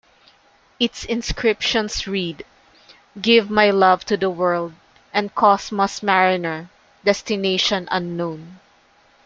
Its inscriptions read "Give my love to the world," and "Cosmos Mariner-Destination Unknown.